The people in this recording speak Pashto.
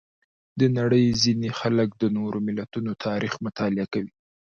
د نړۍ ځینې خلک د نورو ملتونو تاریخ مطالعه کوي.